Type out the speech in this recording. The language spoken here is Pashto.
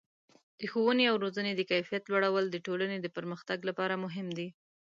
د ښوونې او روزنې د کیفیت لوړول د ټولنې د پرمختګ لپاره مهم دي.